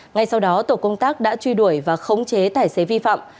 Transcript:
ngay sau đó tổ công tác đã truy đuổi và khống chế tài xế vi phạm